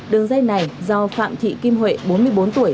đường dây này do phạm thị kim huệ bốn mươi bốn tuổi